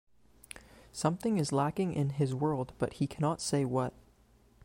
Something is lacking in his world-but he cannot say what.